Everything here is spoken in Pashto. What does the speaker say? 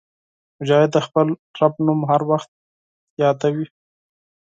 مجاهد د خپل رب نوم هر وخت یادوي.